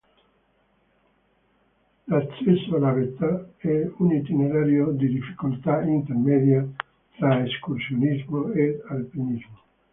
L'accesso alla vetta è un itinerario di difficoltà intermedia tra escursionismo ed alpinismo.